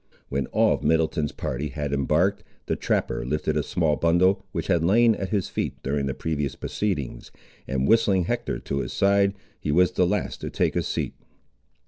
When all of Middleton's party had embarked, the trapper lifted a small bundle, which had lain at his feet during the previous proceedings, and whistling Hector to his side, he was the last to take his seat.